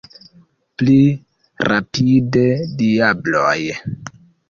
Pli rapide, diabloj!